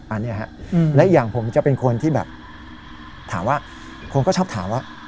อันนี้ฮะและอย่างผมจะเป็นคนที่แบบถามว่าคนก็ชอบถามว่า